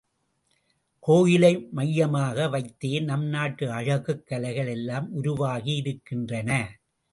கோயிலை மய்யமாக வைத்தே நம் நாட்டு அழகுக் கலைகள் எல்லாம் உருவாகியிருக்கின்றன்.